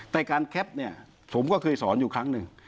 แต่การแคปเนี่ยผมก็เคยสอนอยู่ครั้งหนึ่ง